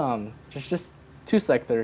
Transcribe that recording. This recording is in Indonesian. ada dua sektor yang membuat saya berpikir